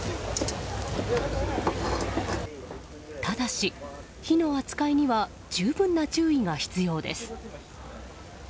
ただし、火の扱いには十分な注意が必要です。